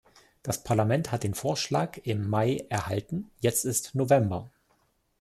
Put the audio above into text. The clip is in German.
Das Parlament hat den Vorschlag im Mai erhalten, jetzt ist November.